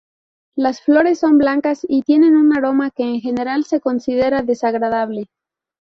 Las flores son blancas y tienen un aroma que en general se considera desagradable.